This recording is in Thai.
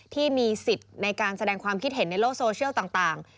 ที่มีสิทธิ์ในการแสดงความคิดเห็นในโลกโซเชียลต่าง